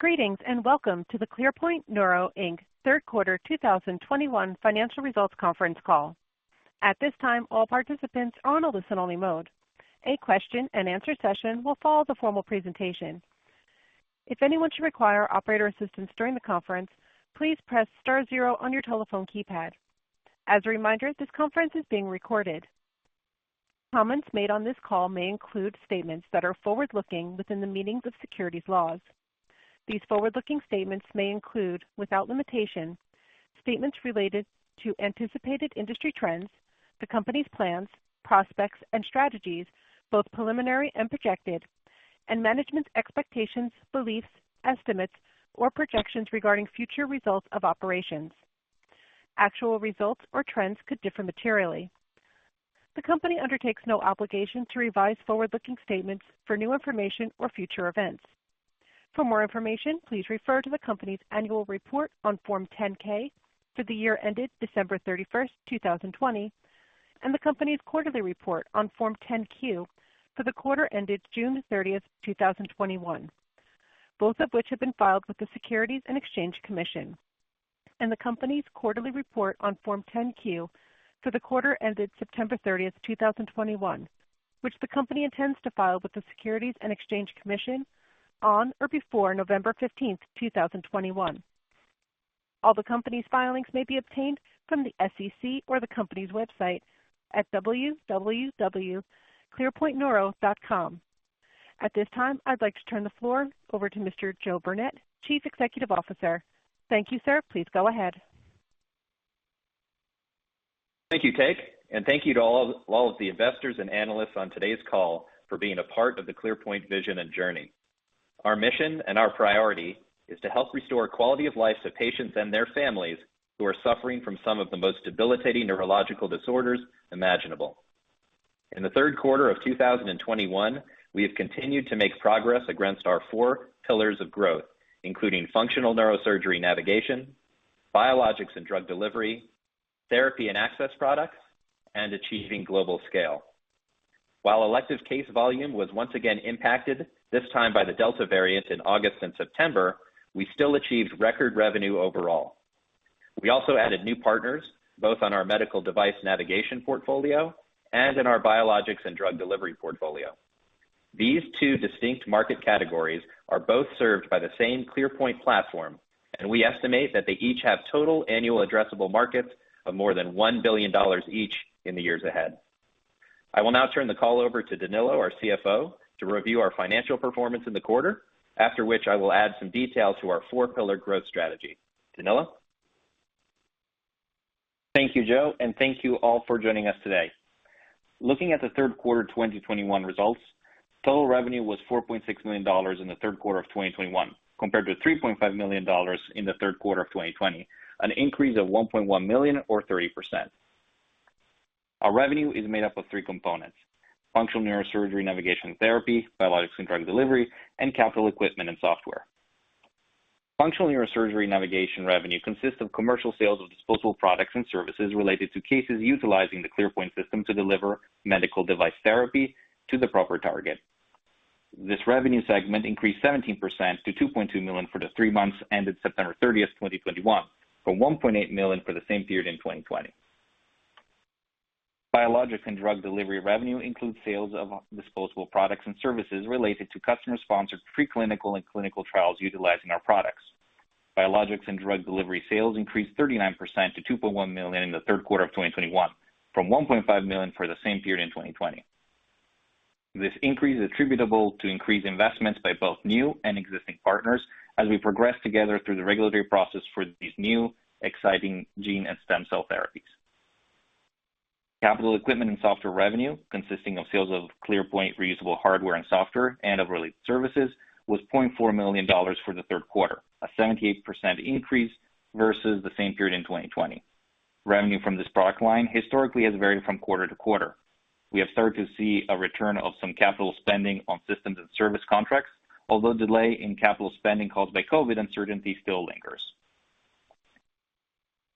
Greetings, and welcome to the ClearPoint Neuro, Inc. third quarter 2021 financial results conference call. At this time, all participants are on a listen only mode. A question and answer session will follow the formal presentation. If anyone should require operator assistance during the conference, please press star zero on your telephone keypad. As a reminder, this conference is being recorded. Comments made on this call may include statements that are forward-looking within the meanings of securities laws. These forward-looking statements may include, without limitation, statements related to anticipated industry trends, the company's plans, prospects and strategies, both preliminary and projected, and management's expectations, beliefs, estimates, or projections regarding future results of operations. Actual results or trends could differ materially. The company undertakes no obligation to revise forward-looking statements for new information or future events. For more information, please refer to the company's annual report on Form 10-K for the year ended December 31, 2020, and the company's quarterly report on Form 10-Q for the quarter ended June 30, 2021, both of which have been filed with the Securities and Exchange Commission. The company's quarterly report on Form 10-Q for the quarter ended September 30, 2021, which the company intends to file with the Securities and Exchange Commission on or before November 15, 2021. All the company's filings may be obtained from the SEC or the company's website at www.clearpointneuro.com. At this time, I'd like to turn the floor over to Mr. Joe Burnett, Chief Executive Officer. Thank you, sir. Please go ahead. Thank you, Kate, and thank you to all of the investors and analysts on today's call for being a part of the ClearPoint vision and journey. Our mission and our priority is to help restore quality of life to patients and their families who are suffering from some of the most debilitating neurological disorders imaginable. In the third quarter of 2021, we have continued to make progress against our four pillars of growth, including functional neurosurgery navigation, biologics and drug delivery, therapy and access products, and achieving global scale. While elective case volume was once again impacted, this time by the Delta variant in August and September, we still achieved record revenue overall. We also added new partners, both on our medical device navigation portfolio and in our biologics and drug delivery portfolio. These two distinct market categories are both served by the same ClearPoint platform, and we estimate that they each have total annual addressable markets of more than $1 billion each in the years ahead. I will now turn the call over to Danilo, our CFO, to review our financial performance in the quarter, after which I will add some detail to our four-pillar growth strategy. Danilo. Thank you, Joe, and thank you all for joining us today. Looking at the third quarter 2021 results, total revenue was $4.6 million in the third quarter of 2021, compared to $3.5 million in the third quarter of 2020, an increase of $1.1 million or 30%. Our revenue is made up of three components, functional neurosurgery navigation therapy, biologics and drug delivery, and capital equipment and software. Functional neurosurgery navigation revenue consists of commercial sales of disposable products and services related to cases utilizing the ClearPoint system to deliver medical device therapy to the proper target. This revenue segment increased 17% to $2.2 million for the three months ended September 30, 2021, from $1.8 million for the same period in 2020. Biologics and drug delivery revenue includes sales of disposable products and services related to customer-sponsored pre-clinical and clinical trials utilizing our products. Biologics and drug delivery sales increased 39% to $2.1 million in the third quarter of 2021 from $1.5 million for the same period in 2020. This increase is attributable to increased investments by both new and existing partners as we progress together through the regulatory process for these new exciting gene and stem cell therapies. Capital equipment and software revenue, consisting of sales of ClearPoint reusable hardware and software and of related services, was $0.4 million for the third quarter, a 78% increase versus the same period in 2020. Revenue from this product line historically has varied from quarter to quarter. We have started to see a return of some capital spending on systems and service contracts. Although delay in capital spending caused by COVID uncertainty still lingers.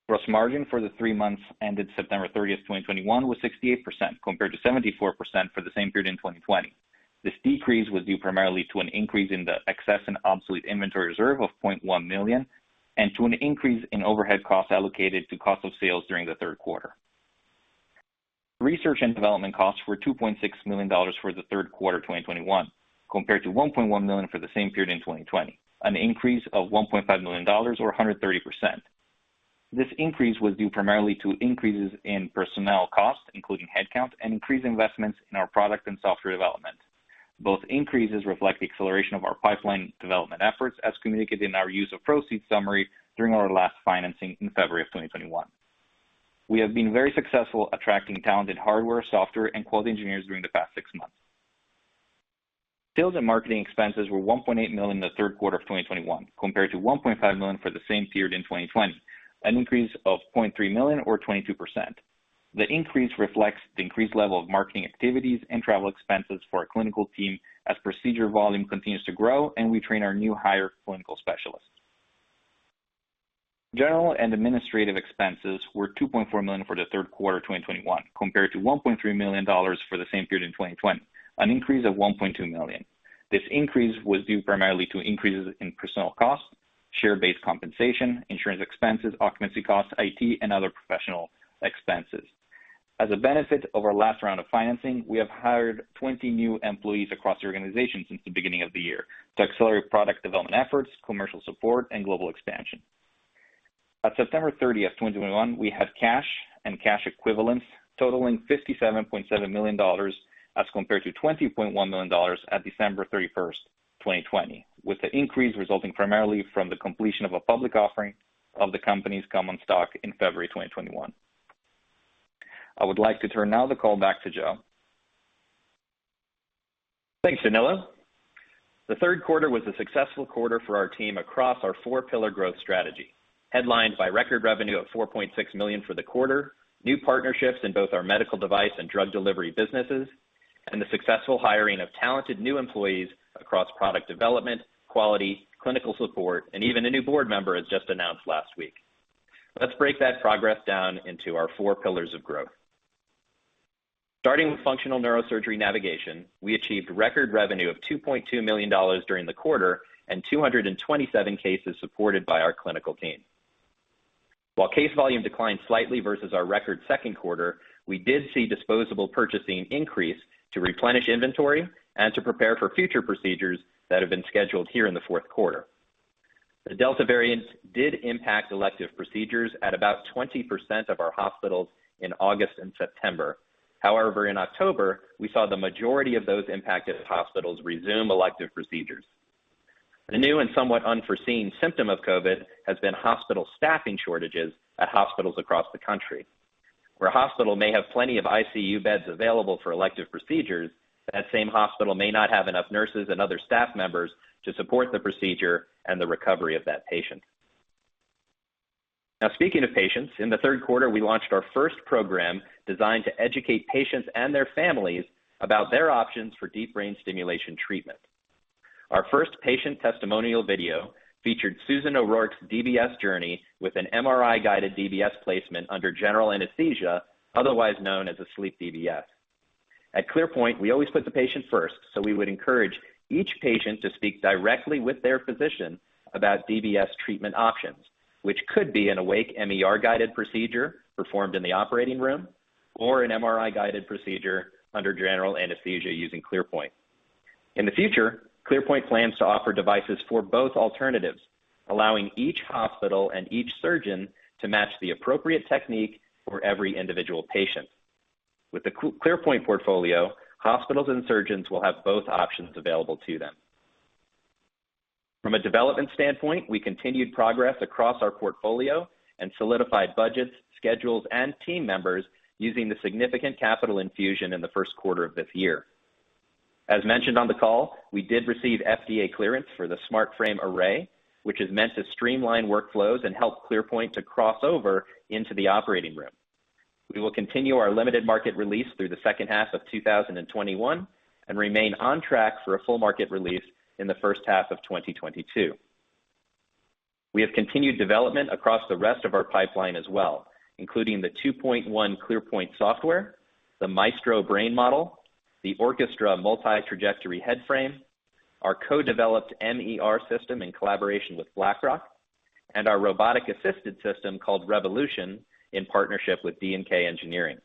Gross margin for the three months ended September 30, 2021 was 68%, compared to 74% for the same period in 2020. This decrease was due primarily to an increase in the excess and obsolete inventory reserve of $0.1 million and to an increase in overhead costs allocated to cost of sales during the third quarter. Research and development costs were $2.6 million for the third quarter 2021, compared to $1.1 million for the same period in 2020, an increase of $1.5 million or 130%. This increase was due primarily to increases in personnel costs, including headcount and increased investments in our product and software development. Both increases reflect the acceleration of our pipeline development efforts as communicated in our use of proceeds summary during our last financing in February of 2021. We have been very successful attracting talented hardware, software and quality engineers during the past six months. Sales and marketing expenses were $1.8 million in the third quarter of 2021 compared to $1.5 million for the same period in 2020, an increase of $0.3 million or 22%. The increase reflects the increased level of marketing activities and travel expenses for our clinical team as procedure volume continues to grow and we train our new hire clinical specialists. General and administrative expenses were $2.4 million for the third quarter of 2021, compared to $1.3 million for the same period in 2020, an increase of $1.2 million. This increase was due primarily to increases in personnel costs, share-based compensation, insurance expenses, occupancy costs, IT, and other professional expenses. As a benefit of our last round of financing, we have hired 20 new employees across the organization since the beginning of the year to accelerate product development efforts, commercial support, and global expansion. At September 30, 2021, we had cash and cash equivalents totaling $57.7 million as compared to $20.1 million at December 31, 2020, with the increase resulting primarily from the completion of a public offering of the company's common stock in February 2021. I would like to turn now the call back to Joe. Thanks, Danilo. The third quarter was a successful quarter for our team across our four pillar growth strategy, headlined by record revenue of $4.6 million for the quarter, new partnerships in both our medical device and drug delivery businesses, and the successful hiring of talented new employees across product development, quality, clinical support, and even a new board member as just announced last week. Let's break that progress down into our four pillars of growth. Starting with functional neurosurgery navigation, we achieved record revenue of $2.2 million during the quarter and 227 cases supported by our clinical team. While case volume declined slightly versus our record second quarter, we did see disposable purchasing increase to replenish inventory and to prepare for future procedures that have been scheduled here in the fourth quarter. The Delta variant did impact elective procedures at about 20% of our hospitals in August and September. However, in October, we saw the majority of those impacted hospitals resume elective procedures. The new and somewhat unforeseen symptom of COVID has been hospital staffing shortages at hospitals across the country. Where a hospital may have plenty of ICU beds available for elective procedures, that same hospital may not have enough nurses and other staff members to support the procedure and the recovery of that patient. Now, speaking of patients, in the third quarter, we launched our first program designed to educate patients and their families about their options for deep brain stimulation treatment. Our first patient testimonial video featured Susan O'Rourke's DBS journey with an MRI-guided DBS placement under general anesthesia, otherwise known as a sleep DBS. At ClearPoint, we always put the patient first, so we would encourage each patient to speak directly with their physician about DBS treatment options, which could be an awake MER-guided procedure performed in the operating room or an MRI-guided procedure under general anesthesia using ClearPoint. In the future, ClearPoint plans to offer devices for both alternatives, allowing each hospital and each surgeon to match the appropriate technique for every individual patient. With the ClearPoint portfolio, hospitals and surgeons will have both options available to them. From a development standpoint, we continued progress across our portfolio and solidified budgets, schedules, and team members using the significant capital infusion in the first quarter of this year. As mentioned on the call, we did receive FDA clearance for the SmartFrame Array, which is meant to streamline workflows and help ClearPoint to cross over into the operating room. We will continue our limited market release through the second half of 2021 and remain on track for a full market release in the first half of 2022. We have continued development across the rest of our pipeline as well, including the 2.1 ClearPoint software, the Maestro brain model, the Orchestra multi-trajectory head frame, our co-developed MER system in collaboration with Blackrock Neurotech, and our robotic assisted system called Revolution in partnership with D&K Engineering.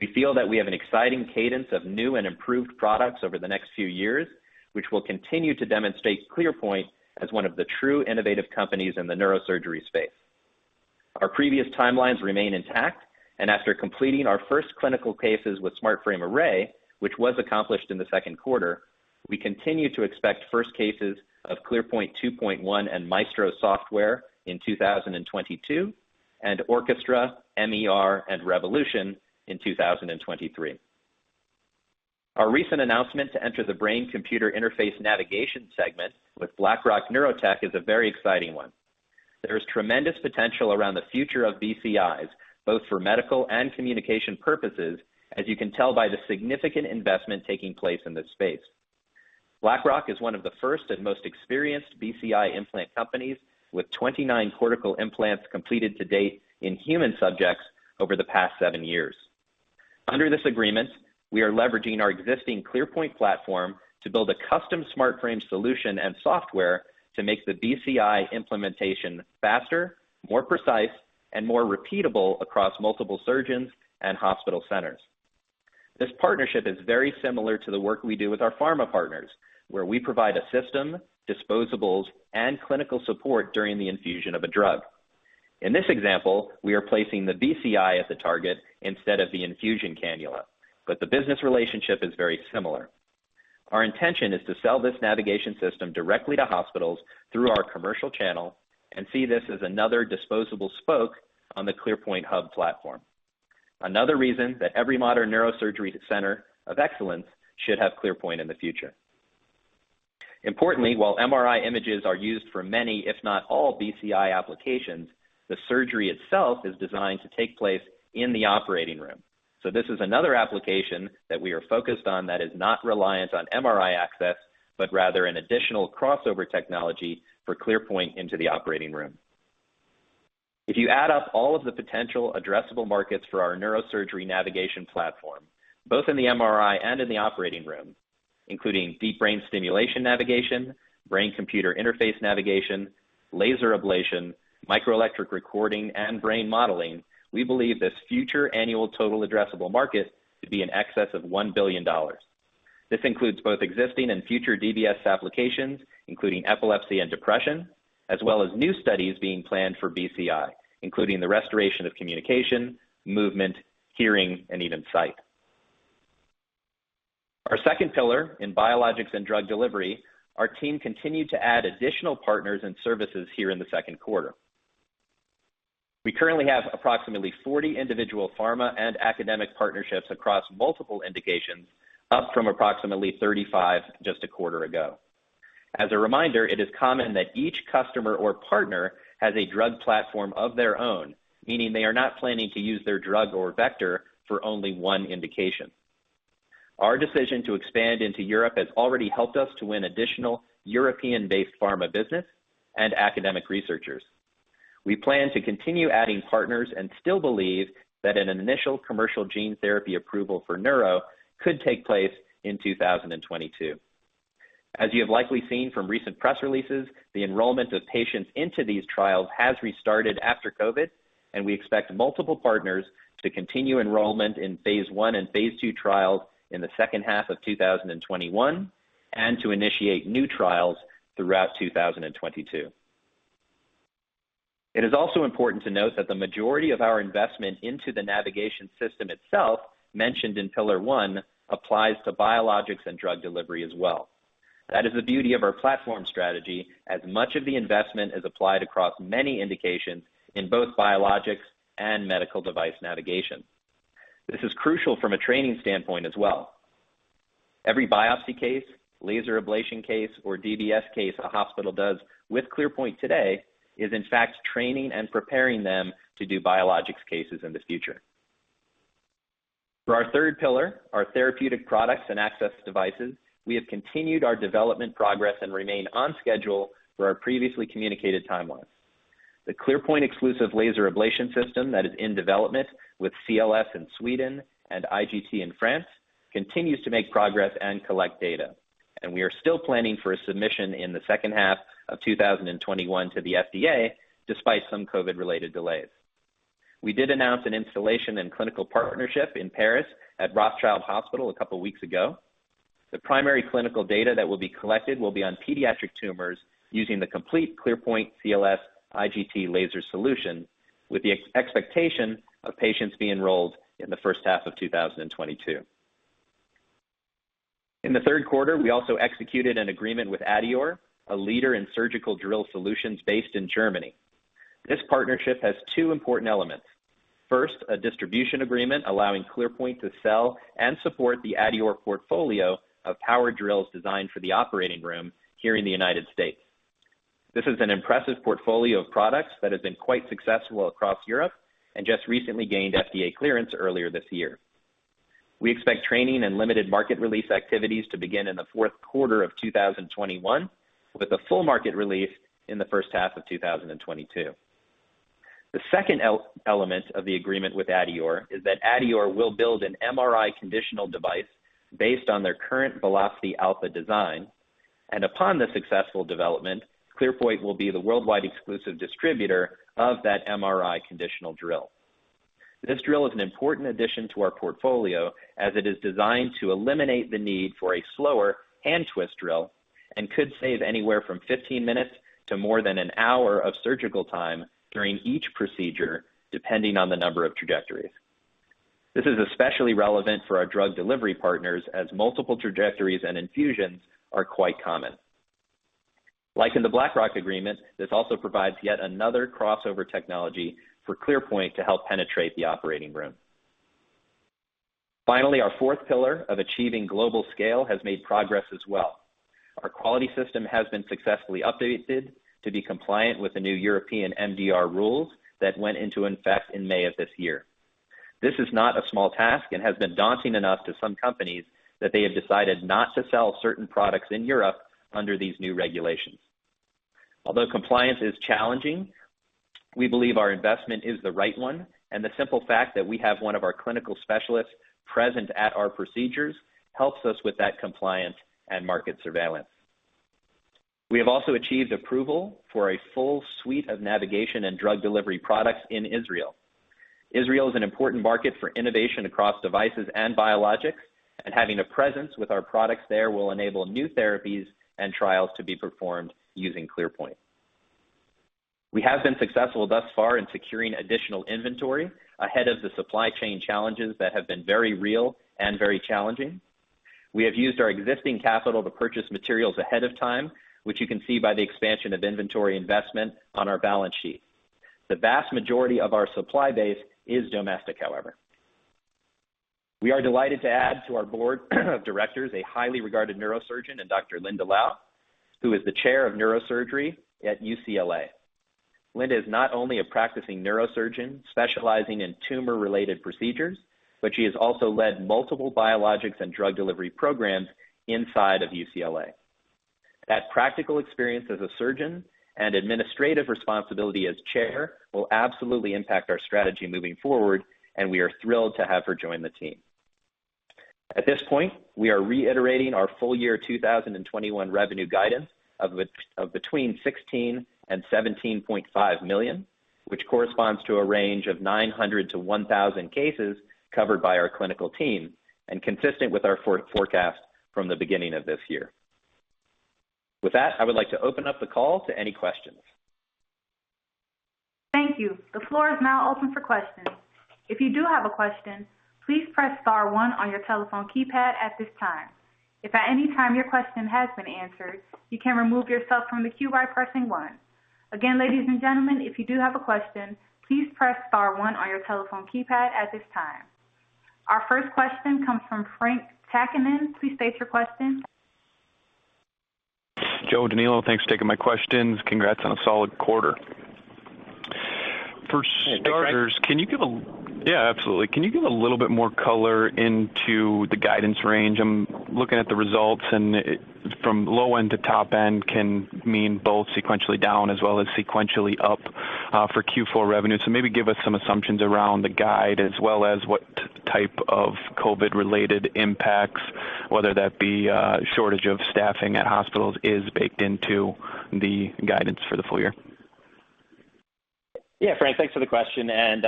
We feel that we have an exciting cadence of new and improved products over the next few years, which will continue to demonstrate ClearPoint as one of the true innovative companies in the neurosurgery space. Our previous timelines remain intact, and after completing our first clinical cases with SmartFrame Array, which was accomplished in the second quarter, we continue to expect first cases of ClearPoint 2.1 and Maestro software in 2022, and Orchestra, MER, and Revolution in 2023. Our recent announcement to enter the brain-computer interface navigation segment with Blackrock Neurotech is a very exciting one. There is tremendous potential around the future of BCIs, both for medical and communication purposes, as you can tell by the significant investment taking place in this space. Blackrock Neurotech is one of the first and most experienced BCI implant companies, with 29 cortical implants completed to date in human subjects over the past 7 years. Under this agreement, we are leveraging our existing ClearPoint platform to build a custom SmartFrame solution and software to make the BCI implementation faster, more precise, and more repeatable across multiple surgeons and hospital centers. This partnership is very similar to the work we do with our pharma partners, where we provide a system, disposables, and clinical support during the infusion of a drug. In this example, we are placing the BCI as a target instead of the infusion cannula, but the business relationship is very similar. Our intention is to sell this navigation system directly to hospitals through our commercial channel and see this as another disposable spoke on the ClearPoint hub platform. Another reason that every modern neurosurgery center of excellence should have ClearPoint in the future. Importantly, while MRI images are used for many, if not all, BCI applications. The surgery itself is designed to take place in the operating room. This is another application that we are focused on that is not reliant on MRI access, but rather an additional crossover technology for ClearPoint into the operating room. If you add up all of the potential addressable markets for our neurosurgery navigation platform, both in the MRI and in the operating room, including deep brain stimulation navigation, brain computer interface navigation, laser ablation, microelectrode recording, and brain modeling, we believe this future annual total addressable market to be in excess of $1 billion. This includes both existing and future DBS applications, including epilepsy and depression, as well as new studies being planned for BCI, including the restoration of communication, movement, hearing, and even sight. Our second pillar in biologics and drug delivery, our team continued to add additional partners and services here in the second quarter. We currently have approximately 40 individual pharma and academic partnerships across multiple indications, up from approximately 35 just a quarter ago. As a reminder, it is common that each customer or partner has a drug platform of their own, meaning they are not planning to use their drug or vector for only one indication. Our decision to expand into Europe has already helped us to win additional European-based pharma business and academic researchers. We plan to continue adding partners and still believe that an initial commercial gene therapy approval for neuro could take place in 2022. As you have likely seen from recent press releases, the enrollment of patients into these trials has restarted after COVID, and we expect multiple partners to continue enrollment in phase I and phase II trials in the second half of 2021 and to initiate new trials throughout 2022. It is also important to note that the majority of our investment into the navigation system itself mentioned in pillar one applies to biologics and drug delivery as well. That is the beauty of our platform strategy, as much of the investment is applied across many indications in both biologics and medical device navigation. This is crucial from a training standpoint as well. Every biopsy case, laser ablation case, or DBS case a hospital does with ClearPoint today is in fact training and preparing them to do biologics cases in the future. For our third pillar, our therapeutic products and access devices, we have continued our development progress and remain on schedule for our previously communicated timelines. The ClearPoint exclusive laser ablation system that is in development with CLS in Sweden and IGT in France continues to make progress and collect data. We are still planning for a submission in the second half of 2021 to the FDA, despite some COVID-related delays. We did announce an installation and clinical partnership in Paris at Rothschild Foundation Hospital a couple weeks ago. The primary clinical data that will be collected will be on pediatric tumors using the complete ClearPoint CLS IGT laser solution with the expectation of patients being enrolled in the first half of 2022. In the third quarter, we also executed an agreement with Adeor, a leader in surgical drill solutions based in Germany. This partnership has two important elements. First, a distribution agreement allowing ClearPoint to sell and support the Adeor portfolio of power drills designed for the operating room here in the United States. This is an impressive portfolio of products that has been quite successful across Europe and just recently gained FDA clearance earlier this year. We expect training and limited market release activities to begin in the fourth quarter of 2021, with a full market release in the first half of 2022. The second element of the agreement with Adeor is that Adeor will build an MRI conditional device based on their current Velocity Alpha design, and upon the successful development, ClearPoint will be the worldwide exclusive distributor of that MRI conditional drill. This drill is an important addition to our portfolio as it is designed to eliminate the need for a slower hand twist drill and could save anywhere from 15 minutes to more than an hour of surgical time during each procedure, depending on the number of trajectories. This is especially relevant for our drug delivery partners as multiple trajectories and infusions are quite common. Like in the Blackrock Neurotech agreement, this also provides yet another crossover technology for ClearPoint to help penetrate the operating room. Finally, our fourth pillar of achieving global scale has made progress as well. Our quality system has been successfully updated to be compliant with the new European MDR rules that went into effect in May of this year. This is not a small task and has been daunting enough to some companies that they have decided not to sell certain products in Europe under these new regulations. Although compliance is challenging, we believe our investment is the right one, and the simple fact that we have one of our clinical specialists present at our procedures helps us with that compliance and market surveillance. We have also achieved approval for a full suite of navigation and drug delivery products in Israel. Israel is an important market for innovation across devices and biologics, and having a presence with our products there will enable new therapies and trials to be performed using ClearPoint. We have been successful thus far in securing additional inventory ahead of the supply chain challenges that have been very real and very challenging. We have used our existing capital to purchase materials ahead of time, which you can see by the expansion of inventory investment on our balance sheet. The vast majority of our supply base is domestic, however. We are delighted to add to our board of directors a highly regarded neurosurgeon in Dr. Linda Liau, who is the Chair of Neurosurgery at UCLA. Linda is not only a practicing neurosurgeon specializing in tumor-related procedures, but she has also led multiple biologics and drug delivery programs inside of UCLA. That practical experience as a surgeon and administrative responsibility as Chair will absolutely impact our strategy moving forward, and we are thrilled to have her join the team. At this point, we are reiterating our full year 2021 revenue guidance of between $16 million and $17.5 million, which corresponds to a range of 900-1,000 cases covered by our clinical team and consistent with our forecast from the beginning of this year. With that, I would like to open up the call to any questions. Thank you. The floor is now open for questions. If you do have a question, please press star one on your telephone keypad at this time. If at any time your question has been answered, you can remove yourself from the queue by pressing one. Again, ladies and gentlemen, if you do have a question, please press star one on your telephone keypad at this time. Our first question comes from Frank Takkinen. Please state your question. Joe, Danilo, thanks for taking my questions. Congrats on a solid quarter. Hey, Frank. For starters, can you give a little bit more color on the guidance range? I'm looking at the results and from low end to top end can mean both sequentially down as well as sequentially up for Q4 revenue. Maybe give us some assumptions around the guide as well as what type of COVID related impacts, whether that be shortage of staffing at hospitals is baked into the guidance for the full year. Yeah, Frank, thanks for the question, and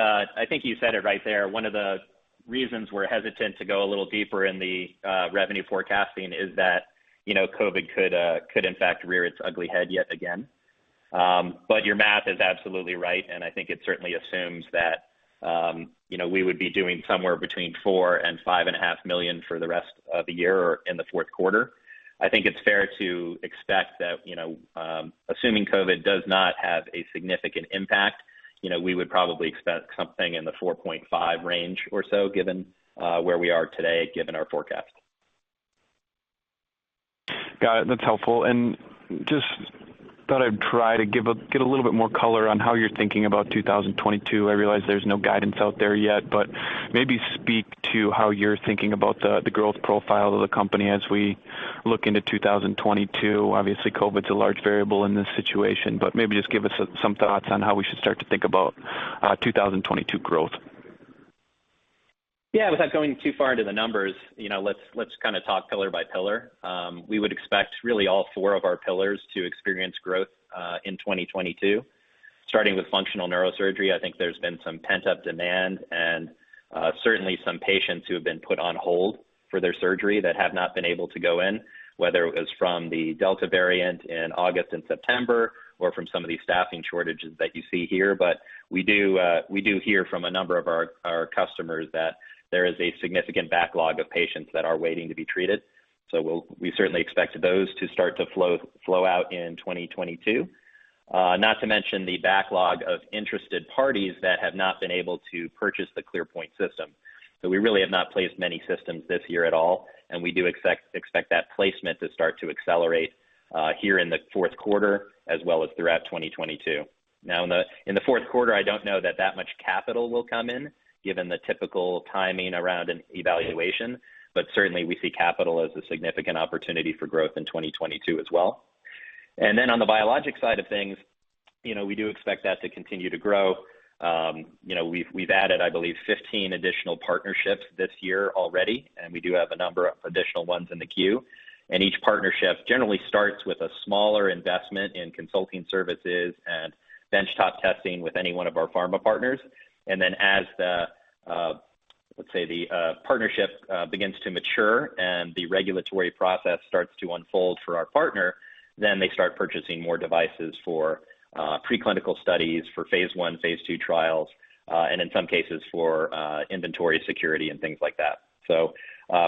you said it right there. One of the reasons we're hesitant to go a little deeper in the revenue forecasting is that COVID could in fact rear its ugly head yet again. Your math is absolutely right, and it certainly assumes that we would be doing somewhere between $4 million and $5.5 million for the rest of the year or in the fourth quarter. It's fair to expect that, you know, assuming COVID does not have a significant impact we would probably expect something in the $4.5 million range or so, given where we are today, given our forecast. Got it. That's helpful. Just thought I'd try to get a little bit more color on how you're thinking about 2022. I realize there's no guidance out there yet, but maybe speak to how you're thinking about the growth profile of the company as we look into 2022. Obviously, COVID is a large variable in this situation, but maybe just give us some thoughts on how we should start to think about 2022 growth. Yeah. Without going too far into the numbers, you know, let's talk pillar by pillar. We would expect really all four of our pillars to experience growth in 2022. Starting with functional neurosurgery, I think there's been some pent-up demand and certainly some patients who have been put on hold for their surgery that have not been able to go in, whether it was from the Delta variant in August and September or from some of these staffing shortages that you see here. We do hear from a number of our customers that there is a significant backlog of patients that are waiting to be treated. We'll certainly expect those to start to flow out in 2022. Not to mention the backlog of interested parties that have not been able to purchase the ClearPoint system. We really have not placed many systems this year at all, and we do expect that placement to start to accelerate here in the fourth quarter as well as throughout 2022. Now, in the fourth quarter, I don't know that that much capital will come in, given the typical timing around an evaluation. Certainly, we see capital as a significant opportunity for growth in 2022 as well. Then on the biologic side of things, you know, we do expect that to continue to grow. You know, we've added, I believe, 15 additional partnerships this year already, and we do have a number of additional ones in the queue. Each partnership generally starts with a smaller investment in consulting services and benchtop testing with any one of our pharma partners. Then as the partnership begins to mature and the regulatory process starts to unfold for our partner, they start purchasing more devices for preclinical studies, for phase I, phase II trials, and in some cases for inventory security and things like that.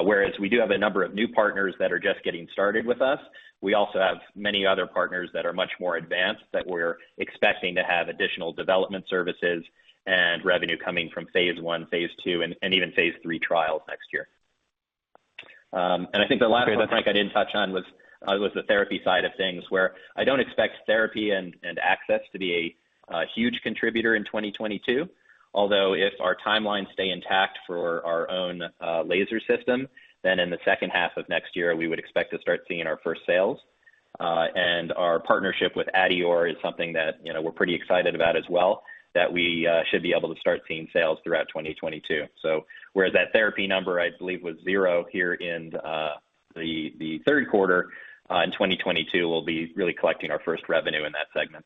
Whereas we do have a number of new partners that are just getting started with us, we also have many other partners that are much more advanced that we're expecting to have additional development services and revenue coming from phase I, phase II, and even phase III trials next year. The last one, Frank, I didn't touch on was the therapy side of things, where I don't expect therapy and access to be a huge contributor in 2022. Although if our timelines stay intact for our own laser system, then in the second half of next year, we would expect to start seeing our first sales. Our partnership with Adeor is something that we're pretty excited about as well, that we should be able to start seeing sales throughout 2022. Whereas that therapy number, I believe was 0 here in the third quarter in 2022, we'll be really collecting our first revenue in that segment.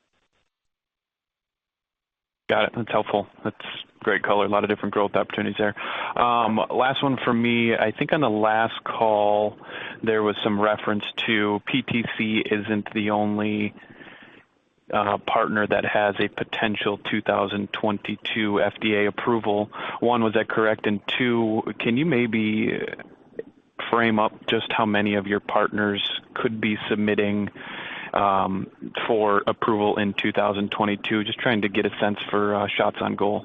Got it. That's helpful. That's great color. A lot of different growth opportunities there. Last one for me. On the last call, there was some reference to PTC isn't the only partner that has a potential 2022 FDA approval. One, was that correct? And two, can you maybe frame up just how many of your partners could be submitting for approval in 2022. Just trying to get a sense for shots on goal.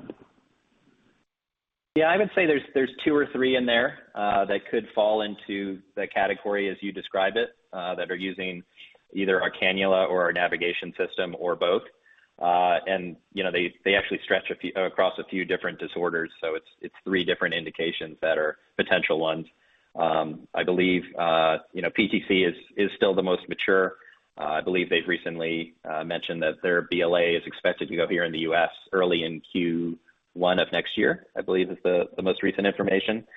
Yeah, I would say there's two or three in there that could fall into the category as you describe it that are using either a cannula or a navigation system or both. They actually stretch across a few different disorders. It's three different indications that are potential ones. I believe PTC is still the most mature. I believe they've recently mentioned that their BLA is expected to go here in the U.S. early in Q1 of next year, I believe is the most recent information,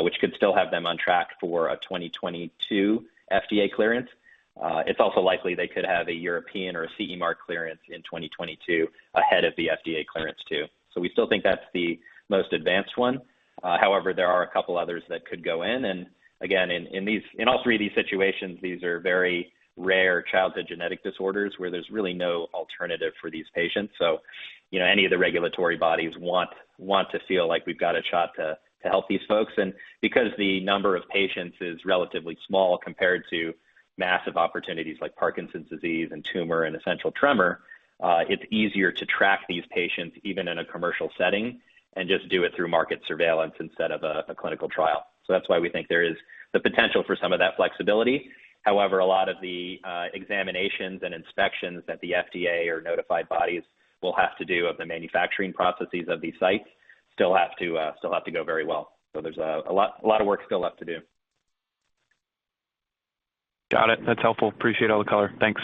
which could still have them on track for a 2022 FDA clearance. It's also likely they could have a European or a CE mark clearance in 2022 ahead of the FDA clearance too. We still think that's the most advanced one. However, there are a couple others that could go in. Again, in all three of these situations, these are very rare childhood genetic disorders where there's really no alternative for these patients. Any of the regulatory bodies want to feel like we've got a shot to help these folks. Because the number of patients is relatively small compared to massive opportunities like Parkinson's disease and tumor and essential tremor, it's easier to track these patients even in a commercial setting and just do it through market surveillance instead of a clinical trial. That's why we think there is the potential for some of that flexibility. However, a lot of the examinations and inspections that the FDA or notified bodies will have to do of the manufacturing processes of these sites still have to go very well. So there's a lot of work still left to do. Got it. That's helpful. Appreciate all the color. Thanks.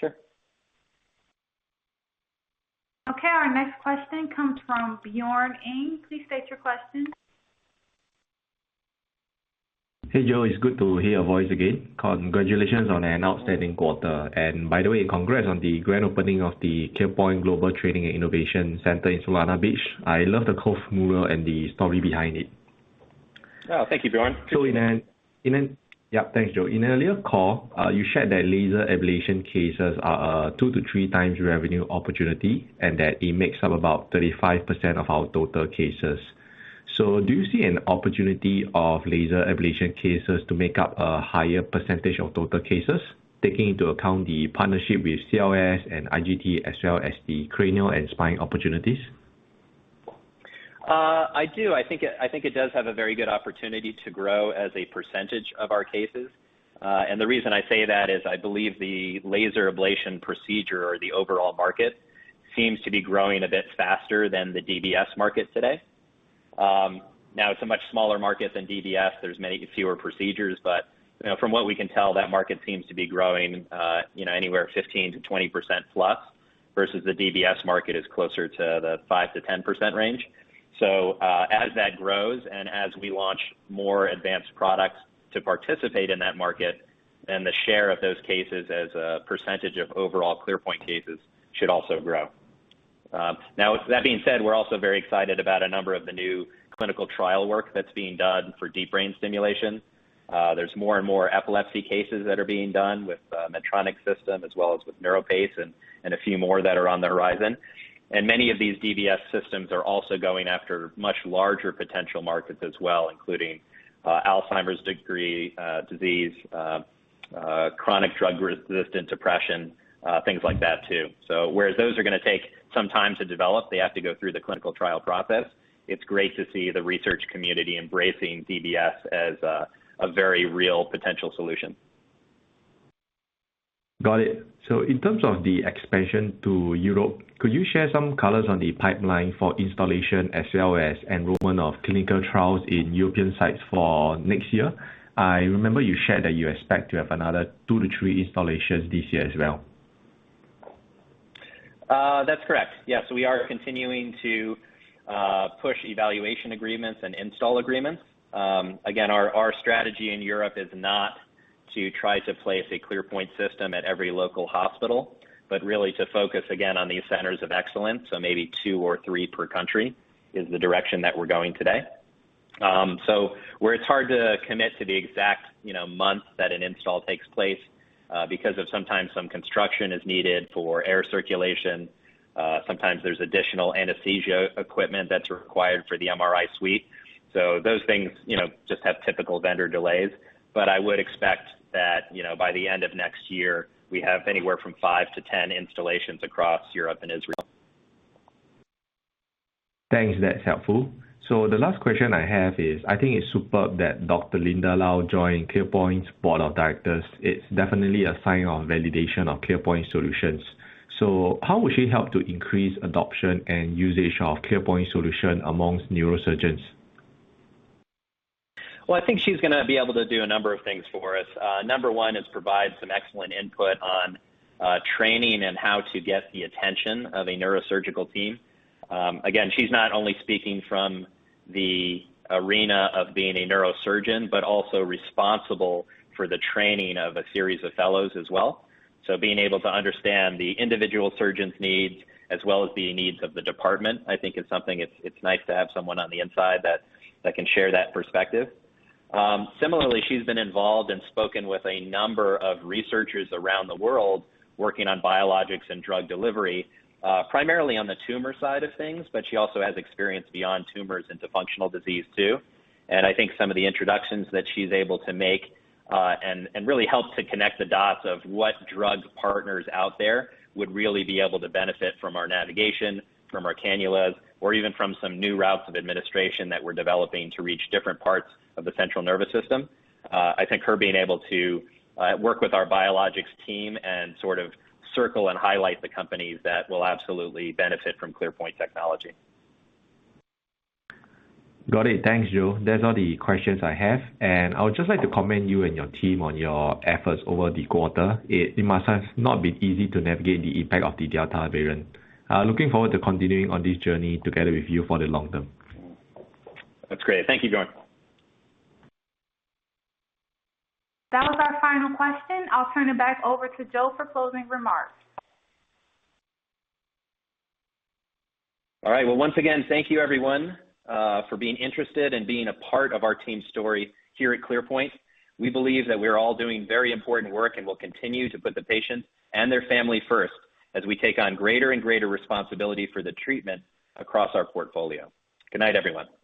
Sure. Okay, our next question comes from Bjorn Ng. Please state your question. Hey, Joe. It's good to hear your voice again. Congratulations on an outstanding quarter. By the way, congrats on the grand opening of the ClearPoint Global Training and Innovation Center in Solana Beach. I love the Cove mural and the story behind it. Oh, thank you, Bjorn. Yeah, thanks, Joe. In an earlier call, you shared that laser ablation cases are 2-3 times revenue opportunity, and that it makes up about 35% of our total cases. Do you see an opportunity of laser ablation cases to make up a higher percentage of total cases, taking into account the partnership with CLS and IGT, as well as the cranial and spine opportunities? I do. I think it does have a very good opportunity to grow as a percentage of our cases. The reason I say that is I believe the laser ablation procedure or the overall market seems to be growing a bit faster than the DBS market today. Now it's a much smaller market than DBS. There's many fewer procedures, but, from what we can tell, that market seems to be growing, you know, anywhere 15%-20%+, versus the DBS market is closer to the 5%-10% range. As that grows, and as we launch more advanced products to participate in that market, then the share of those cases as a percentage of overall ClearPoint cases should also grow. Now with that being said, we're also very excited about a number of the new clinical trial work that's being done for deep brain stimulation. There's more and more epilepsy cases that are being done with Medtronic system as well as with NeuroPace and a few more that are on the horizon. Many of these DBS systems are also going after much larger potential markets as well, including Alzheimer's disease, chronic drug-resistant depression, things like that too. Whereas those are gonna take some time to develop, they have to go through the clinical trial process. It's great to see the research community embracing DBS as a very real potential solution. Got it. In terms of the expansion to Europe, could you share some colors on the pipeline for installation as well as enrollment of clinical trials in European sites for next year? I remember you shared that you expect to have another 2-3 installations this year as well. That's correct. Yes, we are continuing to push evaluation agreements and install agreements. Again, our strategy in Europe is not to try to place a ClearPoint system at every local hospital, but really to focus again on these centers of excellence. Maybe two or three per country is the direction that we're going today. Where it's hard to commit to the exact month that an install takes place, because of sometimes some construction is needed for air circulation, sometimes there's additional anesthesia equipment that's required for the MRI suite. Those things just have typical vendor delays. I would expect that by the end of next year, we have anywhere from 5-10 installations across Europe and Israel. Thanks. That's helpful. The last question I have is, it's superb that Dr. Linda Liau joined ClearPoint's board of directors. It's definitely a sign of validation of ClearPoint solutions. How will she help to increase adoption and usage of ClearPoint solution amongst neurosurgeons? Well, I think she's gonna be able to do a number of things for us. Number one is provide some excellent input on training and how to get the attention of a neurosurgical team. Again, she's not only speaking from the arena of being a neurosurgeon, but also responsible for the training of a series of fellows as well. Being able to understand the individual surgeon's needs as well as the needs of the department, I think is something it's nice to have someone on the inside that can share that perspective. Similarly, she's been involved and spoken with a number of researchers around the world working on biologics and drug delivery, primarily on the tumor side of things, but she also has experience beyond tumors into functional disease too. Some of the introductions that she's able to make, and really help to connect the dots of what drug partners out there would really be able to benefit from our navigation, from our cannulas, or even from some new routes of administration that we're developing to reach different parts of the central nervous system. I think her being able to, work with our biologics team and sort of circle and highlight the companies that will absolutely benefit from ClearPoint technology. Got it. Thanks, Joe. That's all the questions I have. I would just like to commend you and your team on your efforts over the quarter. It must have not been easy to navigate the impact of the Delta variant. Looking forward to continuing on this journey together with you for the long term. That's great. Thank you, Bjorn. That was our final question. I'll turn it back over to Joe for closing remarks. All right. Well, once again, thank you everyone for being interested and being a part of our team's story here at ClearPoint. We believe that we're all doing very important work, and we'll continue to put the patient and their family first as we take on greater and greater responsibility for the treatment across our portfolio. Good night, everyone.